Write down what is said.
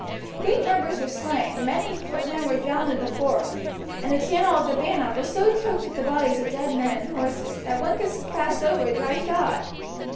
Great numbers were slain, many men were drowned in the Forth, and the channel of the Bannock was so choked with the bodies of dead men and horses that one could pass over dry shod.